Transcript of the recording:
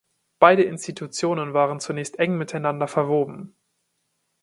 Beide Institutionen waren zunächst eng miteinander verwoben.